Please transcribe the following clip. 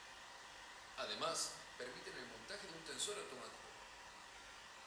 Además permiten el montaje de un tensor automático.